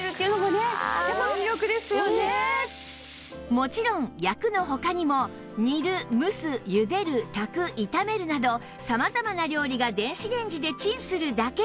もちろん焼くの他にも煮る蒸す茹でる炊く炒めるなど様々な料理が電子レンジでチンするだけ